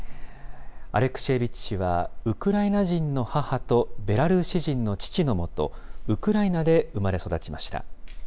アレクシェービッチ氏は、ウクライナ人の母とベラルーシ人の父のもと、ウクライナで生まれ育ちました。